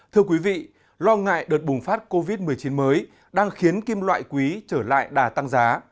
thưa quý vị lo ngại đợt bùng phát covid một mươi chín mới đang khiến kim loại quý trở lại đà tăng giá